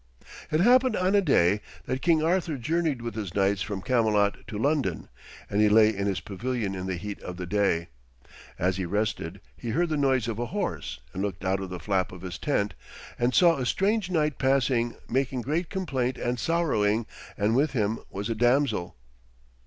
It happened on a day that King Arthur journeyed with his knights from Camelot to London, and he lay in his pavilion in the heat of the day. As he rested he heard the noise of a horse, and looking out of the flap of his tent, he saw a strange knight passing, making great complaint and sorrowing, and with him was a damsel.